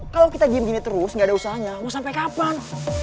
kalau kita diem gini terus gak ada usahanya mau sampai kapan